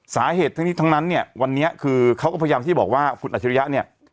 สาเหตุทั้งนี้ทั้งนั้นเนี่ยวันนี้คือเขาก็พยายามที่บอกว่าคุณอัจฉริยะเนี่ย